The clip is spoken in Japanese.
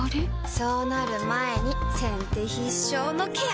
そうなる前に先手必勝のケア！